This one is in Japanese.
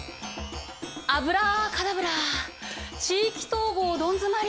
アブラカダブラ地域統合どん詰まり